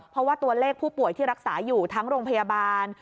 เพราะว่าตัวเลขผู้ป่วยที่รักษาอยู่ทั้งโรงพยาบาล